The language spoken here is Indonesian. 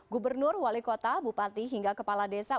gubernur wali kota bupati hingga kepala desa